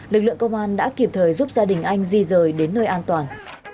lực lượng công an đã kịp thời giúp gia đình anh di rời đến nơi an toàn